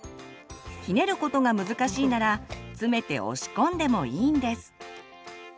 ひねることが難しいなら詰めて押し込んでもいいんです。